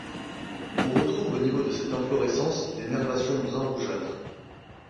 On retrouve au niveau de cette inflorescence des nervations brun-rougeâtres.